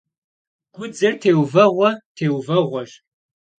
Гудзэр теувэгъуэ-теувэгъуэщ.